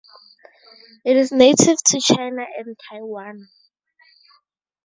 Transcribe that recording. It is native to China and Taiwan.